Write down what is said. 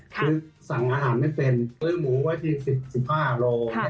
คือสั่งอาหารไม่เป็นซื้อหมูไว้ที่๑๐๑๕โล